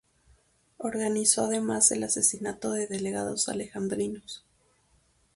Organizó además el asesinato de delegados alejandrinos.